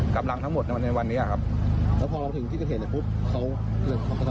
กำลังทั้งหมดในวันนี้อ่ะครับแล้วพอถึงที่ก็เห็นแล้วปุ๊บเขา